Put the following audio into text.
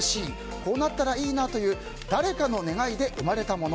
こうなったらいいなという誰かの願いで生まれたもの。